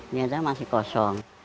ini aja masih kosong